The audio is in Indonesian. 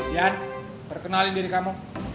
jan perkenalin diri kamu